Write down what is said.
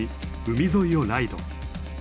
海沿いをライド。